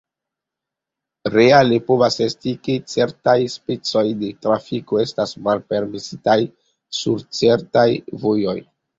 Reale povas esti, ke certaj specoj de trafiko estas malpermesitaj sur certaj vojoj.